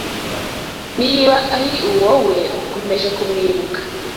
niba ari uwo we ukomeje kumwibuka